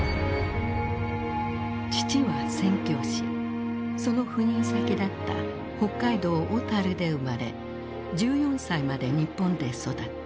父は宣教師その赴任先だった北海道小樽で生まれ１４歳まで日本で育った。